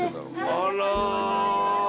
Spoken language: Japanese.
あら。